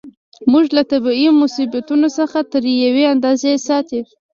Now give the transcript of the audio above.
موږ له طبیعي مصیبتونو څخه تر یوې اندازې ساتي.